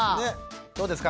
どうですか？